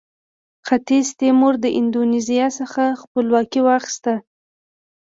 ختیځ تیمور د اندونیزیا څخه خپلواکي واخیسته.